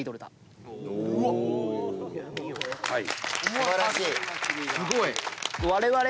素晴らしい。